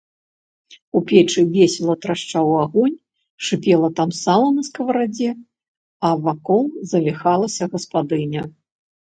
У печы весела трашчаў агонь, шыпела там сала на скаварадзе, а вакол завіхалася гаспадыня.